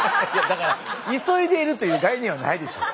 急いでいるという概念はないでしょう。